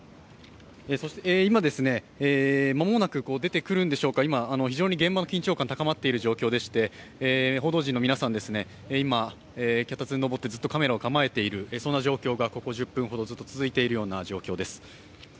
今、間もなく出てくるんでしょうか非常に現場の緊張感が高まっている状況でして、報道陣の皆さん、今脚立に上ってカメラを構えている、そんな状況がここ１０分ほど続いているような状況です。